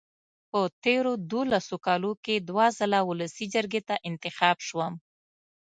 په تېرو دولسو کالو کې دوه ځله ولسي جرګې ته انتخاب شوم.